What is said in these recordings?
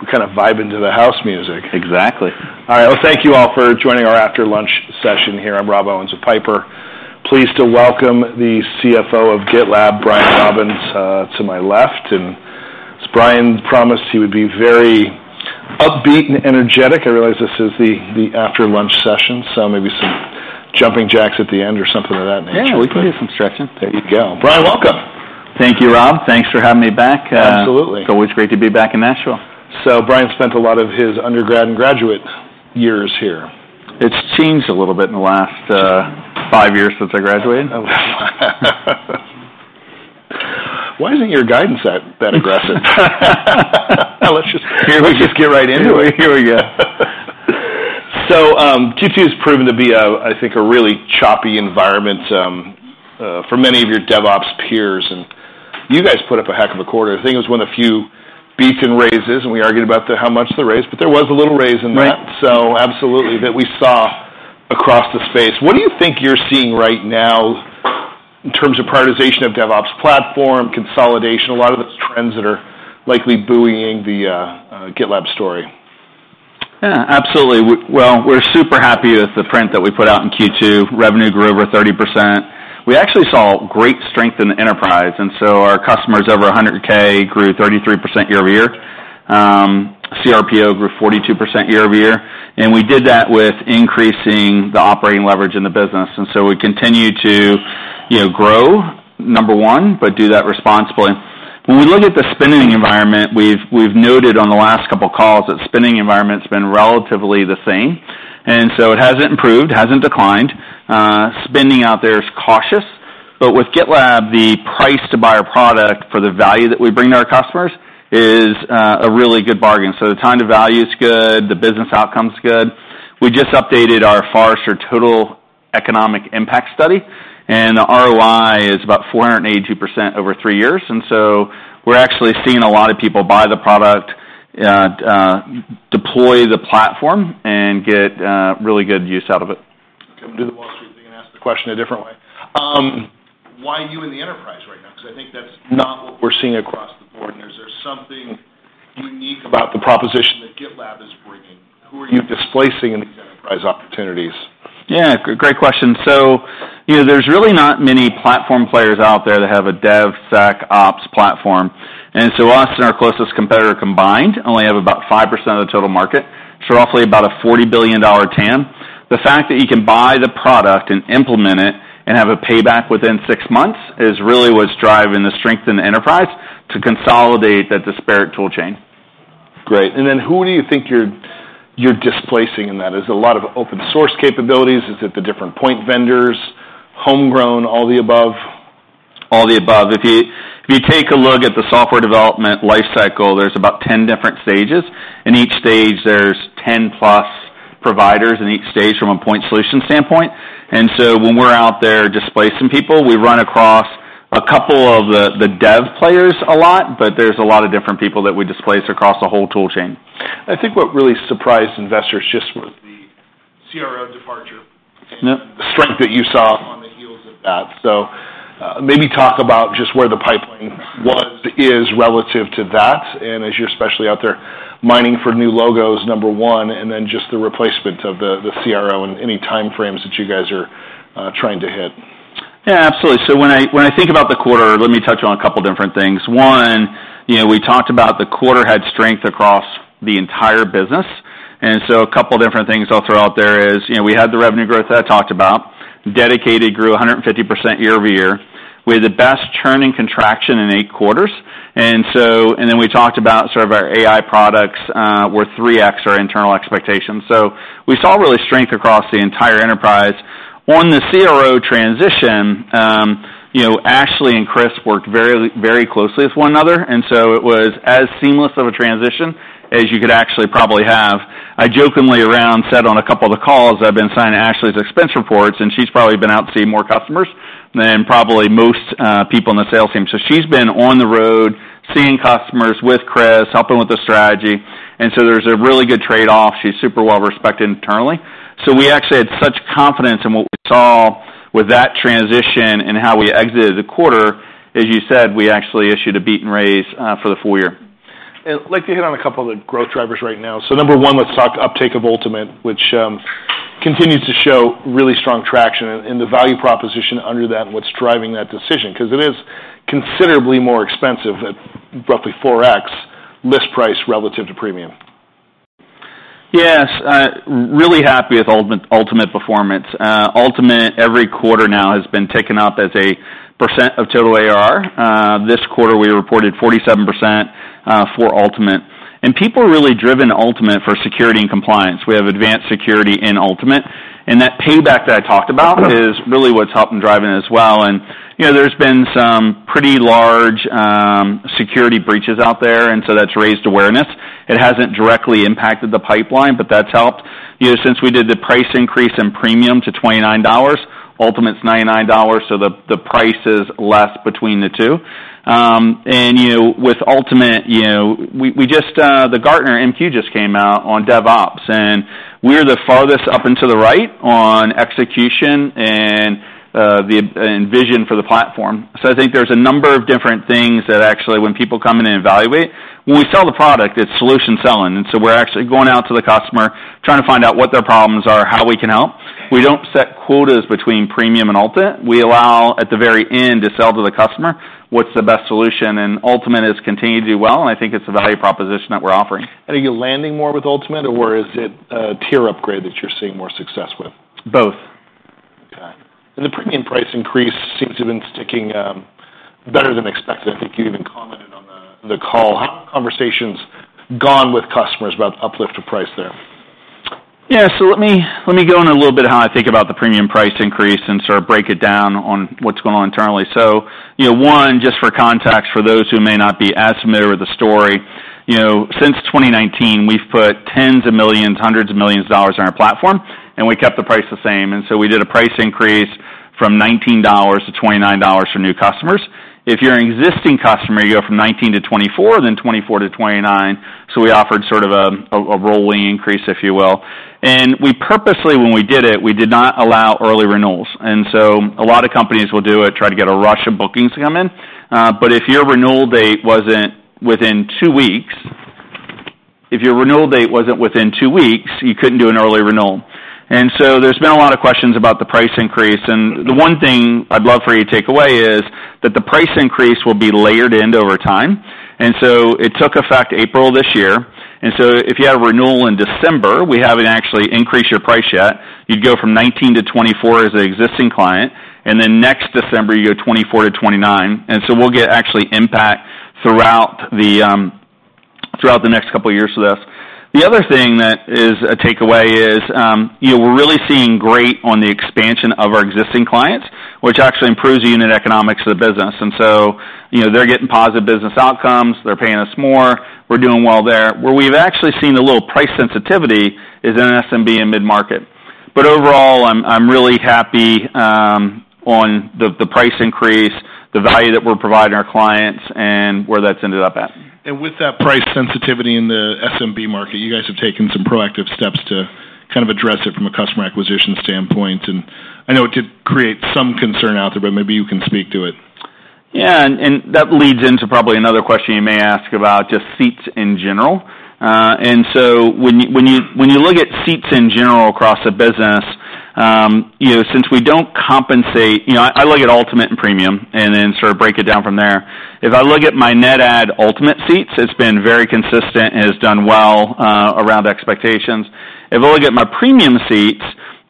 We're kind of vibing to the house music. Exactly. All right. Thank you all for joining our after-lunch session here. I'm Rob Owens with Piper. Pleased to welcome the CFO of GitLab, Brian Robbins, to my left. And as Brian promised, he would be very upbeat and energetic. I realize this is the after-lunch session, so maybe some jumping jacks at the end or something of that nature. Yeah, we can do some stretching. There you go. Brian, welcome. Thank you, Rob. Thanks for having me back. Absolutely. It's always great to be back in Nashville. Brian spent a lot of his undergrad and graduate years here. It's changed a little bit in the last five years since I graduated. Why isn't your guidance that aggressive? Let's just- Maybe we just get right into it. Here we go. So, Q2 has proven to be a, I think, a really choppy environment for many of your DevOps peers, and you guys put up a heck of a quarter. I think it was one of the few beat and raises, and we argued about the how much of the raise, but there was a little raise in that. Right. So absolutely, that we saw across the space. What do you think you're seeing right now in terms of prioritization of DevOps platform, consolidation, a lot of the trends that are likely buoying the GitLab story? Yeah, absolutely. Well, we're super happy with the print that we put out in Q2. Revenue grew over 30%. We actually saw great strength in the enterprise, and so our customers, over 100K, grew 33% year over year. cRPO grew 42% year over year, and we did that with increasing the operating leverage in the business. And so we continue to, you know, grow, number one, but do that responsibly. When we look at the spending environment, we've noted on the last couple of calls that the spending environment's been relatively the same, and so it hasn't improved, hasn't declined. Spending out there is cautious, but with GitLab, the price to buy our product for the value that we bring to our customers is a really good bargain, so the time to value is good, the business outcome is good. We just updated our Forrester Total Economic Impact study, and the ROI is about 482% over three years, and so we're actually seeing a lot of people buy the product, deploy the platform, and get really good use out of it. Okay, I'm going to do the Wall Street thing and ask the question a different way. Why you in the enterprise right now? Because I think that's not what we're seeing across the board. Is there something unique about the proposition that GitLab is bringing? Who are you displacing in these enterprise opportunities? Yeah, great question. So, you know, there's really not many platform players out there that have a DevSecOps platform, and so us and our closest competitor combined only have about 5% of the total market, so roughly about a $40 billion TAM. The fact that you can buy the product and implement it and have a payback within six months is really what's driving the strength in the enterprise to consolidate that disparate toolchain. Great. Then, who do you think you're displacing in that? Is it a lot of open source capabilities? Is it the different point vendors, homegrown, all the above? All the above. If you take a look at the software development life cycle, there's about ten different stages, and each stage there's ten plus providers in each stage from a point solution standpoint. And so when we're out there displacing people, we run across a couple of the dev players a lot, but there's a lot of different people that we displace across the whole toolchain. I think what really surprised investors just was the CRO departure- Yep. -the strength that you saw on the heels of that. So, maybe talk about just where the pipeline was, is relative to that, and as you're especially out there mining for new logos, number one, and then just the replacement of the, the CRO and any time frames that you guys are, trying to hit. Yeah, absolutely. So when I think about the quarter, let me touch on a couple of different things. One, you know, we talked about the quarter had strength across the entire business, and so a couple of different things I'll throw out there is, you know, we had the revenue growth that I talked about. Dedicated grew 150% year over year. We had the best churn and contraction in eight quarters. And then we talked about sort of our AI products were 3x our internal expectations. So we saw really strength across the entire enterprise. On the CRO transition, you know, Ashley and Chris worked very, very closely with one another, and so it was as seamless of a transition as you could actually probably have. I jokingly around said on a couple of the calls, I've been signing Ashley's expense reports, and she's probably been out seeing more customers than probably most, people in the sales team. So she's been on the road, seeing customers with Chris, helping with the strategy, and so there's a really good trade-off. She's super well-respected internally. So we actually had such confidence in what we saw with that transition and how we exited the quarter, as you said, we actually issued a beat and raise, for the full year. I'd like to hit on a couple of the growth drivers right now. Number one, let's talk uptake of Ultimate, which continues to show really strong traction and the value proposition under that, and what's driving that decision, because it is considerably more expensive at roughly 4x list price relative to Premium. Yes, really happy with Ultimate performance. Ultimate, every quarter now has been taken up as a percent of total ARR. This quarter, we reported 47% for Ultimate. And people are really driven to Ultimate for security and compliance. We have advanced security in Ultimate, and that payback that I talked about- Mm-hmm. is really what's helping driving it as well. And, you know, there's been some pretty large security breaches out there, and so that's raised awareness. It hasn't directly impacted the pipeline, but that's helped. You know, since we did the price increase in Premium to $29. Ultimate's $99, so the price is less between the two. And, with Ultimate, you know, we just the Gartner MQ just came out on DevOps, and we're the farthest up and to the right on execution and the vision for the platform. So I think there's a number of different things that actually, when people come in and evaluate, when we sell the product, it's solution selling. And so we're actually going out to the customer, trying to find out what their problems are, how we can help. We don't set quotas between Premium and Ultimate. We allow, at the very end, to sell to the customer what's the best solution, and Ultimate has continued to do well, and I think it's a value proposition that we're offering. Are you landing more with Ultimate, or is it a tier upgrade that you're seeing more success with? Both. Okay. And the Premium price increase seems to have been sticking better than expected. I think you even commented on the call. How have conversations gone with customers about uplift to price there? Yeah, so let me, let me go on a little bit how I think about the Premium price increase and sort of break it down on what's going on internally. So, you know, one, just for context, for those who may not be as familiar with the story, you know, since 2019, we've put tens of millions, hundreds of millions of dollars on our platform, and we kept the price the same. And so we did a price increase from $19 to $29 for new customers. If you're an existing customer, you go from $19 to $24, then $24 to $29, so we offered sort of a rolling increase, if you will. And we purposely, when we did it, we did not allow early renewals. And so a lot of companies will do it, try to get a rush of bookings to come in, but if your renewal date wasn't within two weeks, you couldn't do an early renewal. And so there's been a lot of questions about the price increase, and the one thing I'd love for you to take away is that the price increase will be layered in over time. And so it took effect April this year, and so if you had a renewal in December, we haven't actually increased your price yet. You'd go from $19 to $24 as an existing client, and then next December, you go $24 to $29. And so we'll get actual impact throughout the next couple of years of this. The other thing that is a takeaway is, you know, we're really seeing great on the expansion of our existing clients, which actually improves the unit economics of the business. And so, you know, they're getting positive business outcomes, they're paying us more, we're doing well there. Where we've actually seen a little price sensitivity is in SMB and mid-market. But overall, I'm really happy on the price increase, the value that we're providing our clients, and where that's ended up at. With that price sensitivity in the SMB market, you guys have taken some proactive steps to kind of address it from a customer acquisition standpoint. I know it did create some concern out there, but maybe you can speak to it. Yeah, and that leads into probably another question you may ask about just seats in general. And so when you look at seats in general across a business, you know, since we don't compensate. You know, I look at Ultimate and Premium and then sort of break it down from there. If I look at my net add Ultimate seats, it's been very consistent and has done well, around expectations. If I look at my Premium seats,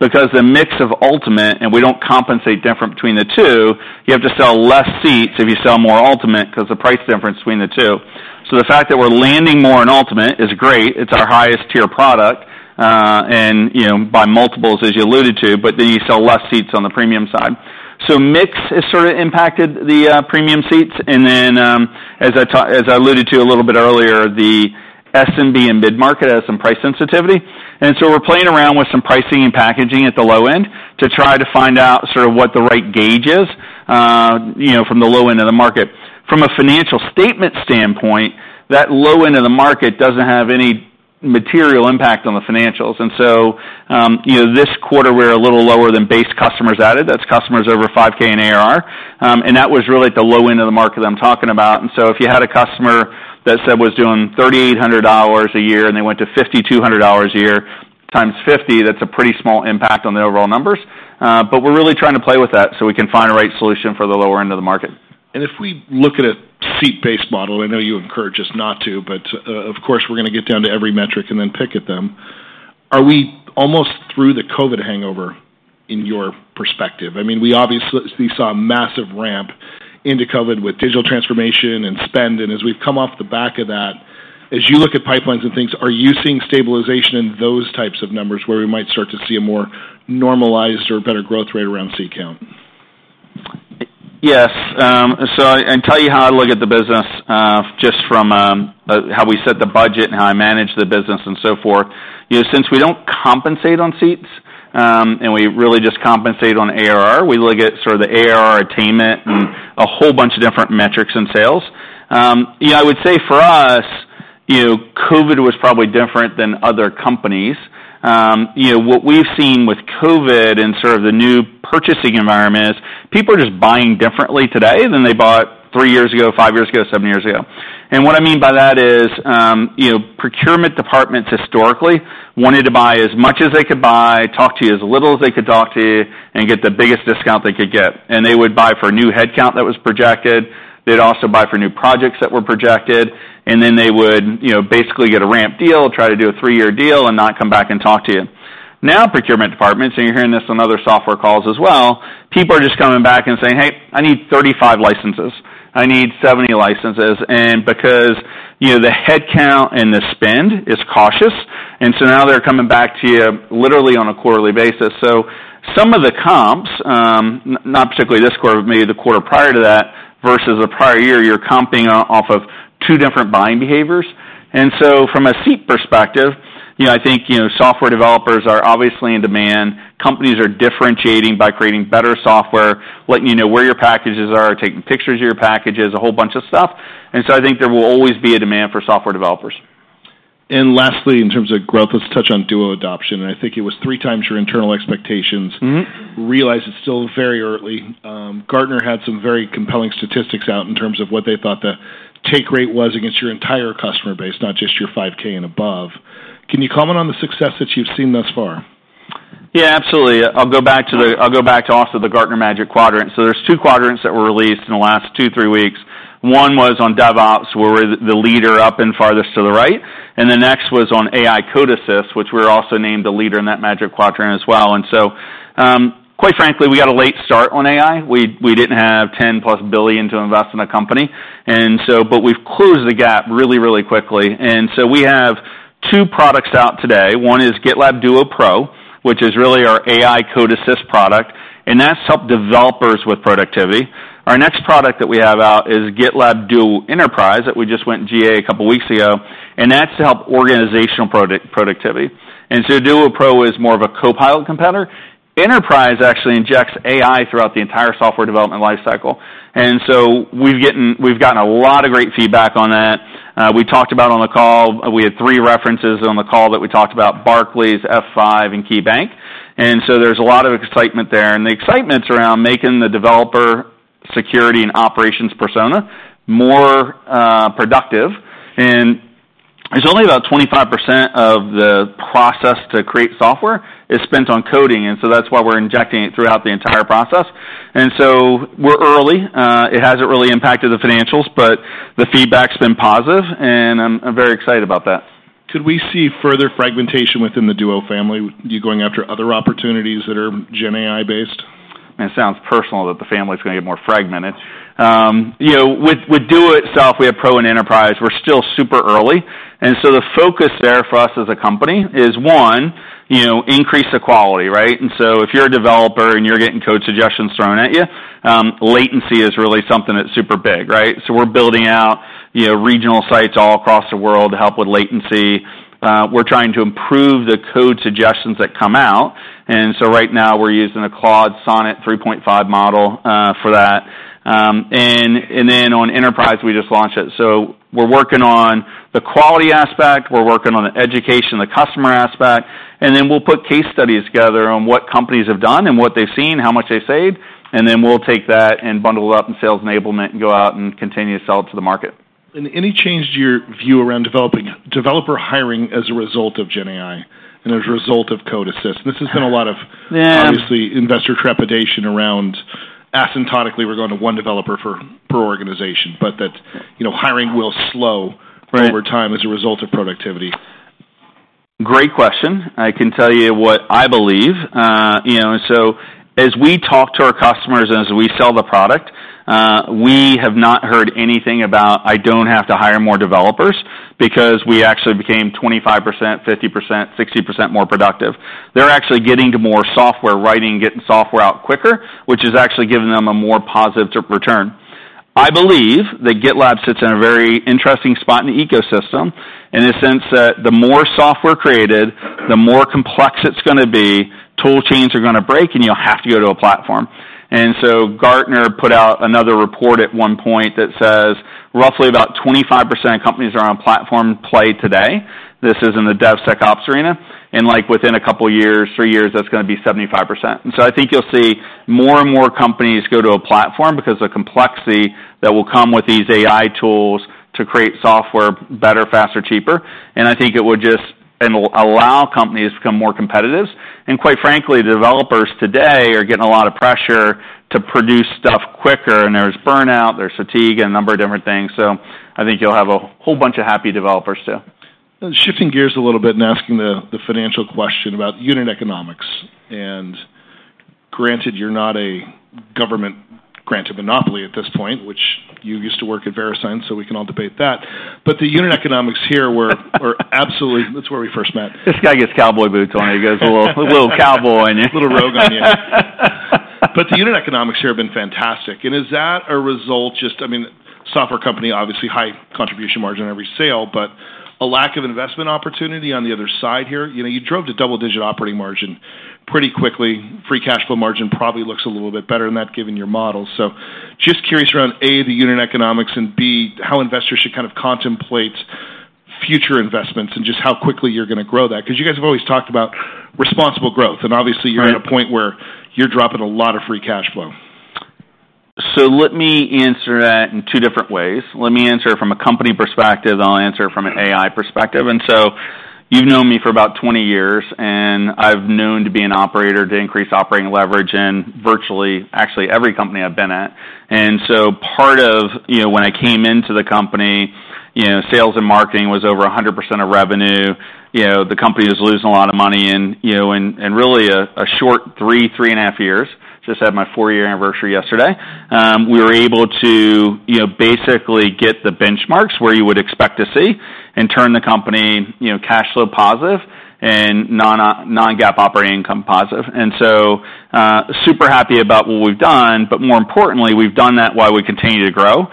because the mix of Ultimate, and we don't compensate different between the two, you have to sell less seats if you sell more Ultimate, 'cause the price difference between the two. So the fact that we're landing more on Ultimate is great. It's our highest tier product, and, you know, by multiples, as you alluded to, but then you sell less seats on the Premium side. So mix has sort of impacted the Premium seats, and then, as I alluded to a little bit earlier, the SMB and mid-market has some price sensitivity. And so we're playing around with some pricing and packaging at the low end to try to find out sort of what the right gauge is, you know, from the low end of the market. From a financial statement standpoint, that low end of the market doesn't have any material impact on the financials. And so, you know, this quarter, we're a little lower than base customers added. That's customers over $5,000 in ARR, and that was really at the low end of the market I'm talking about. And so if you had a customer that said was doing $3,800 a year, and they went to $5,200 a year times fifty, that's a pretty small impact on the overall numbers. But we're really trying to play with that so we can find the right solution for the lower end of the market. If we look at a seat-based model, I know you encouraged us not to, but, of course, we're gonna get down to every metric and then pick at them. Are we almost through the COVID hangover in your perspective? I mean, we obviously, we saw a massive ramp into COVID with digital transformation and spend, and as we've come off the back of that, as you look at pipelines and things, are you seeing stabilization in those types of numbers, where we might start to see a more normalized or better growth rate around seat count? Yes, so, and tell you how I look at the business, just from how we set the budget and how I manage the business and so forth. You know, since we don't compensate on seats, and we really just compensate on ARR, we look at sort of the ARR attainment and a whole bunch of different metrics in sales. Yeah, I would say for us, you know, COVID was probably different than other companies. You know, what we've seen with COVID and sort of the new purchasing environment is, people are just buying differently today than they bought three years ago, five years ago, seven years ago. What I mean by that is, you know, procurement departments historically wanted to buy as much as they could buy, talk to you as little as they could talk to you, and get the biggest discount they could get. They would buy for a new headcount that was projected. They'd also buy for new projects that were projected, and then they would, you know, basically get a ramp deal, try to do a three-year deal and not come back and talk to you. Now, procurement departments, and you're hearing this on other software calls as well, people are just coming back and saying, "Hey, I need 35 licenses. I need 70 licenses." Because, you know, the headcount and the spend is cautious, and so now they're coming back to you literally on a quarterly basis. So some of the comps, not particularly this quarter, but maybe the quarter prior to that versus the prior year, you're comping off of two different buying behaviors. And so from a seat perspective, you know, I think, you know, software developers are obviously in demand. Companies are differentiating by creating better software, letting you know where your packages are, taking pictures of your packages, a whole bunch of stuff. And so I think there will always be a demand for software developers. Lastly, in terms of growth, let's touch on Duo adoption, and I think it was three times your internal expectations. Mm-hmm. Realize it's still very early. Gartner had some very compelling statistics out in terms of what they thought the take rate was against your entire customer base, not just your 5K and above. Can you comment on the success that you've seen thus far? Yeah, absolutely. I'll go back to also the Gartner Magic Quadrant. So there's two quadrants that were released in the last two, three weeks. One was on DevOps, where we're the leader up and farthest to the right, and the next was on AI Code Assist, which we're also named the leader in that Magic Quadrant as well. And so, quite frankly, we got a late start on AI. We didn't have 10-plus billion to invest in a company, and so but we've closed the gap really, really quickly. And so we have two products out today. One is GitLab Duo Pro, which is really our AI Code Assist product, and that's helped developers with productivity. Our next product that we have out is GitLab Duo Enterprise, that we just went GA a couple weeks ago, and that's to help organizational productivity. And so Duo Pro is more of a Copilot competitor. Enterprise actually injects AI throughout the entire software development life cycle, and so we've gotten a lot of great feedback on that. We talked about on the call, we had three references on the call that we talked about Barclays, F5, and KeyBank, and so there's a lot of excitement there. And the excitement's around making the developer security and operations persona more productive. And there's only about 25% of the process to create software is spent on coding, and so that's why we're injecting it throughout the entire process. And so we're early. It hasn't really impacted the financials, but the feedback's been positive, and I'm very excited about that. Could we see further fragmentation within the Duo family, you going after other opportunities that are GenAI based? Man, it sounds personal that the family is gonna get more fragmented. You know, with Duo itself, we have Pro and Enterprise. We're still super early, and so the focus there for us as a company is, one, you know, increase the quality, right? And so if you're a developer and you're getting code suggestions thrown at you, latency is really something that's super big, right? So we're building out, you know, regional sites all across the world to help with latency. We're trying to improve the code suggestions that come out, and so right now, we're using a Claude 3.5 Sonnet model for that. And then on Enterprise, we just launched it. So we're working on the quality aspect, we're working on the education, the customer aspect, and then we'll put case studies together on what companies have done and what they've seen, how much they saved, and then we'll take that and bundle it up in sales enablement and go out and continue to sell it to the market. Any change to your view around developer hiring as a result of GenAI and as a result of code assist? This has been a lot of- Yeah Obviously, investor trepidation around asymptotically, we're going to one developer per organization, but that, you know, hiring will slow- Right over time as a result of productivity. Great question. I can tell you what I believe. You know, and so as we talk to our customers and as we sell the product, we have not heard anything about, "I don't have to hire more developers because we actually became 25%, 50%, 60% more productive." They're actually getting to more software writing, getting software out quicker, which is actually giving them a more positive return. I believe that GitLab sits in a very interesting spot in the ecosystem, in the sense that the more software created, the more complex it's gonna be, tool chains are gonna break, and you'll have to go to a platform, and so Gartner put out another report at one point that says roughly about 25% of companies are on platform play today. This is in the DevSecOps arena, and, like, within a couple of years, three years, that's gonna be 75%. And so I think you'll see more and more companies go to a platform because the complexity that will come with these AI tools to create software better, faster, cheaper, and I think it would just, and will allow companies to become more competitive. And quite frankly, developers today are getting a lot of pressure to produce stuff quicker, and there's burnout, there's fatigue, and a number of different things. So I think you'll have a whole bunch of happy developers, too. Shifting gears a little bit and asking the financial question about unit economics, and granted, you're not a government-granted monopoly at this point, which you used to work at Verisign, so we can all debate that. But the unit economics here were absolutely... That's where we first met. This guy gets cowboy boots on, he goes a little cowboy on you. A little rogue on you. But the unit economics here have been fantastic, and is that a result just... I mean, software company, obviously, high contribution margin on every sale, but a lack of investment opportunity on the other side here? You know, you drove to double-digit operating margin pretty quickly. Free cash flow margin probably looks a little bit better than that, given your model. So just curious around, A, the unit economics, and B, how investors should kind of contemplate future investments and just how quickly you're gonna grow that, because you guys have always talked about responsible growth, and obviously- Right You're at a point where you're dropping a lot of free cash flow. So let me answer that in two different ways. Let me answer it from a company perspective. I'll answer it from an AI perspective. And so you've known me for about twenty years, and I've known to be an operator to increase operating leverage in virtually, actually every company I've been at. And so part of, you know, when I came into the company, you know, sales and marketing was over 100% of revenue. You know, the company was losing a lot of money and, you know, and really a short three and a half years, just had my four-year anniversary yesterday, we were able to, you know, basically get the benchmarks where you would expect to see and turn the company, you know, cash flow positive and non-GAAP operating income positive. And so, super happy about what we've done, but more importantly, we've done that while we continue to grow.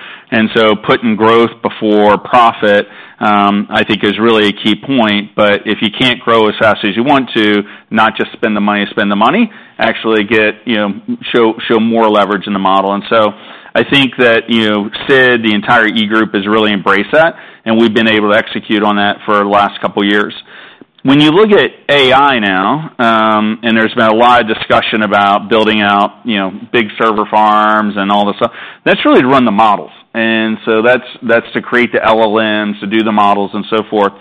Putting growth before profit, I think is really a key point. But if you can't grow as fast as you want to, not just spend the money to spend the money, actually get, you know, show more leverage in the model. I think that, you know, Sid, the entire E-Group, has really embraced that, and we've been able to execute on that for the last couple of years. When you look at AI now, and there's been a lot of discussion about building out, you know, big server farms and all this stuff, that's really to run the models. That's to create the LLMs, to do the models and so forth.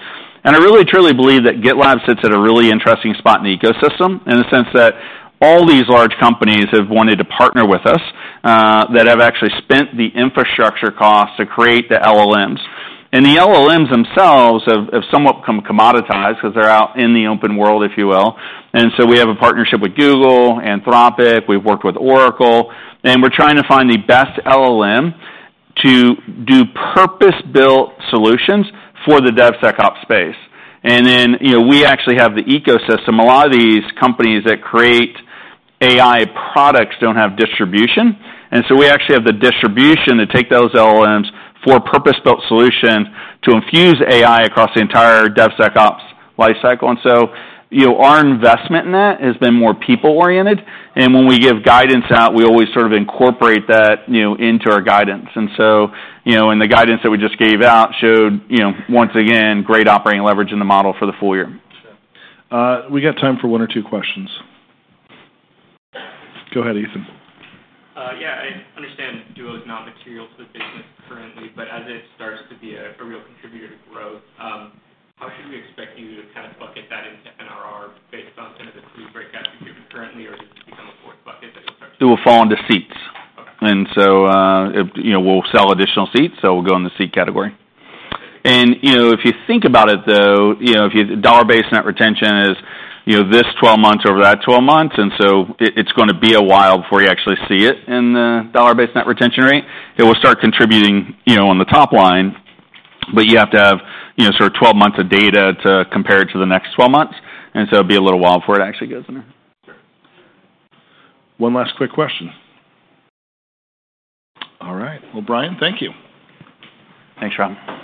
And I really, truly believe that GitLab sits at a really interesting spot in the ecosystem, in the sense that all these large companies have wanted to partner with us that have actually spent the infrastructure costs to create the LLMs. And the LLMs themselves have somewhat become commoditized because they're out in the open world, if you will. And so we have a partnership with Google, Anthropic, we've worked with Oracle, and we're trying to find the best LLM to do purpose-built solutions for the DevSecOps space. And then, you know, we actually have the ecosystem. A lot of these companies that create AI products don't have distribution, and so we actually have the distribution to take those LLMs for a purpose-built solution to infuse AI across the entire DevSecOps life cycle. And so, you know, our investment in that has been more people-oriented, and when we give guidance out, we always sort of incorporate that, you know, into our guidance. And so, you know, and the guidance that we just gave out showed, you know, once again, great operating leverage in the model for the full year. We got time for one or two questions. Go ahead, Ethan. Yeah, I understand Duo is not material to the business currently, but as it starts to be a real contributor to growth, how should we expect you to kind of bucket that into NRR based on kind of the three breakout you're doing currently, or does it become a fourth bucket that you start? It will fall into seats. Okay. And so, you know, we'll sell additional seats, so it'll go in the seat category. And, you know, if you think about it, though, you know, dollar-based net retention is, you know, this twelve months over that twelve months, and so it's gonna be a while before you actually see it in the dollar-based net retention rate. It will start contributing, you know, on the top line, but you have to have, you know, sort of twelve months of data to compare it to the next twelve months, and so it'll be a little while before it actually gets in there. Sure. One last quick question. All right. Well, Brian, thank you. Thanks, Rob.